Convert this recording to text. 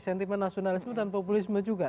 sentimen nasionalisme dan populisme juga